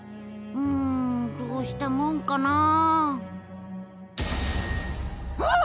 うんどうしたもんかな？